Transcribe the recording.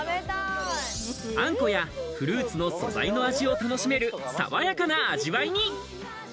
あんこやフルーツの素材の味を楽しめる爽やかな味わいに。